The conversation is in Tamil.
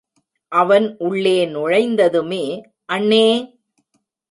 அவன் உள்ளே நுழைந்ததுமே, அண்ணே!